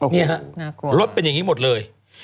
นี่ฮะรถเป็นอย่างนี้หมดเลย